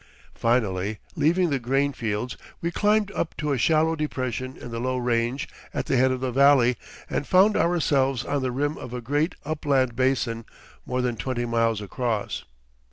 Finally, leaving the grain fields, we climbed up to a shallow depression in the low range at the head of the valley and found ourselves on the rim of a great upland basin more than twenty miles across.